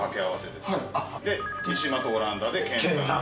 で見島とオランダで「見蘭」。